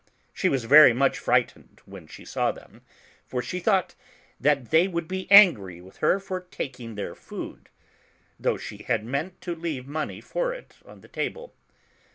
She was very much fright ened when she saw them, for she thought that they would be angry with her for taking their food, though she had meant to leave money for it on the table.